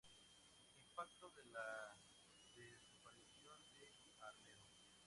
Impacto de la desaparición de Armero.